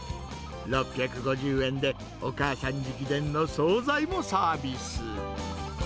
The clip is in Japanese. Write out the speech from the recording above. ６５０円で、お母さん直伝の総菜もサービス。